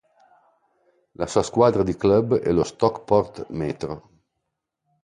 La sua squadra di club è lo Stockport Metro.